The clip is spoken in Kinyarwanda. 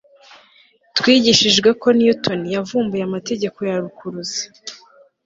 twigishijwe ko newton yavumbuye amategeko ya rukuruzi